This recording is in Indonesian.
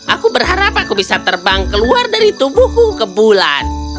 aku berharap aku bisa terbang keluar dari tubuhku ke bulan